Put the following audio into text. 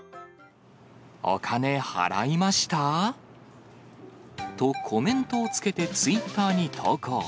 お金払いました？とコメントをつけてツイッターに投稿。